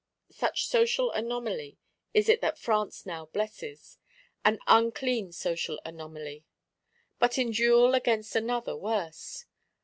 Such Social Anomaly is it that France now blesses. An unclean Social Anomaly; but in duel against another worse!